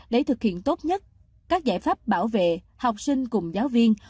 để thực hiện tốt nhất các giải pháp bảo vệ học sinh cùng giáo viên